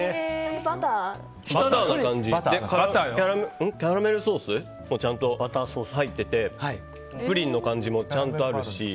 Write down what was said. バターな感じで下のキャラメルソースがちゃんと入っててプリンの感じもちゃんとあるし。